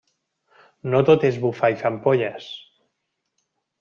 No tot és bufar i fer ampolles.